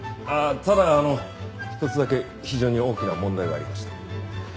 ただあの一つだけ非常に大きな問題がありまして。